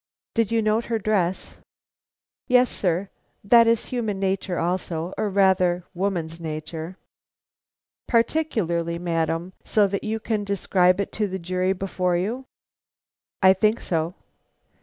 "Did you note her dress?" "Yes, sir; that is human nature also, or, rather, woman's nature." "Particularly, madam; so that you can describe it to the jury before you?" "I think so."